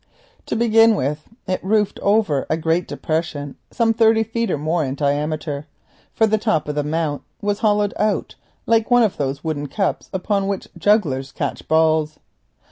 To begin with, it roofed over a great depression some thirty feet or more in diameter, for the top of the mount was hollowed out like one of those wooden cups in which jugglers catch balls.